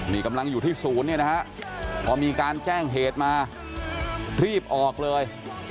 นี่กำลังอยู่ที่ศูนย์เนี่ยนะฮะพอมีการแจ้งเหตุมารีบออกเลย